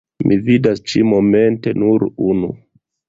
Mi vidas ĉi-momente nur unu.